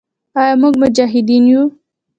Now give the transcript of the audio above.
آیا موږ مجاهدین یو؟